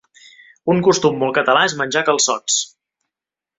Un costum molt català és menjar calçots.